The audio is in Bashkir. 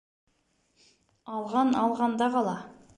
Алған алғанда ҡала.